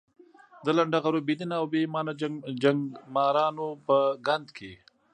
د لنډه غرو، بې دینه او بې ایمانه جنګمارانو په ګند کې.